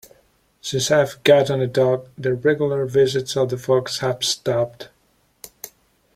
Since I've gotten a dog, the regular visits of the fox have stopped.